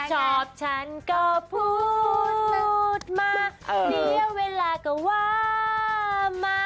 ชอบฉันก็พูดพูดมาเสียเวลาก็ว่ามา